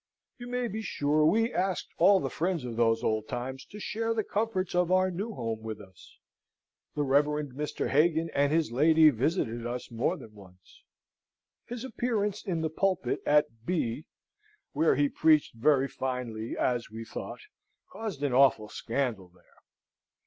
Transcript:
You may be sure we asked all the friends of those old times to share the comforts of our new home with us. The Reverend Mr. Hagan and his lady visited us more than once. His appearance in the pulpit at B (where he preached very finely, as we thought) caused an awful scandal there.